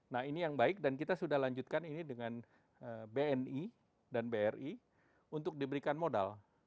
nah ini yang baik dan kita sudah lanjutkan ini dengan bni dan bri untuk diberikan modal